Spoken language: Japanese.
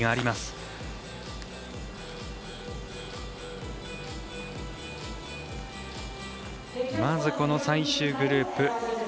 まず最終グループ